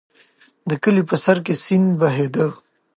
د کلي په سر کې سیند بهېده.